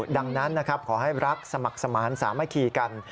ดังนั้นนะครับขอให้รักสมัครสมานสามัคคีกัน